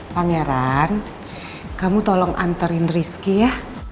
pangeran kamu tolong antarin rizky ya